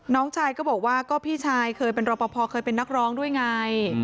น้องชายก็บอกว่าก็พี่ชายเคยเป็นรอปภเคยเป็นนักร้องด้วยไง